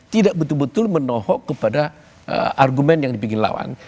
tidak betul betul menohok kepada argumen yang dipinggil lawan